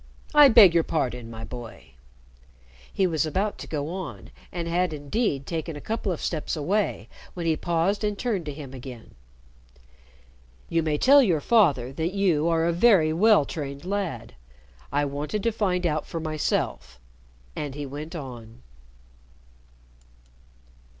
"I beg your pardon, my boy." He was about to go on, and had indeed taken a couple of steps away, when he paused and turned to him again. "You may tell your father that you are a very well trained lad. I wanted to find out for myself." And he went on.